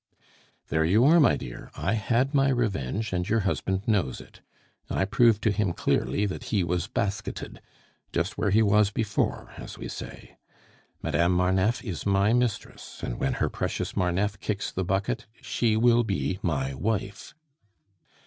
"There you are my dear; I had my revenge, and your husband knows it. I proved to him clearly that he was basketed just where he was before, as we say. Madame Marneffe is my mistress, and when her precious Marneffe kicks the bucket, she will be my wife."